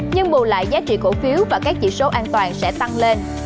nhưng bù lại giá trị cổ phiếu và các chỉ số an toàn sẽ tăng lên